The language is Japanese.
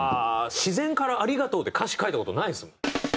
自然からありがとうって歌詞書いた事ないですもん。